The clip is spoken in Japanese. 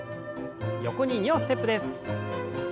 横に２歩ステップです。